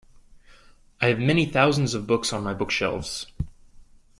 I have many thousands of books on my bookshelves.